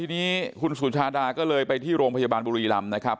ทีนี้คุณสุชาดาก็เลยไปที่โรงพยาบาลบุรีรำนะครับ